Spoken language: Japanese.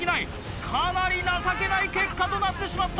かなり情けない結果となってしまった。